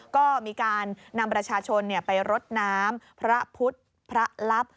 ก็มีการนำประชาชนไปรดน้ำพระพุทธพระลับ